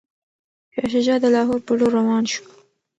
شاه شجاع د لاهور په لور روان شو.